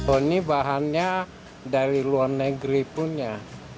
oh ini bahannya dari luar negeri punya